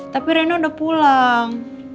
tapi rena udah pulang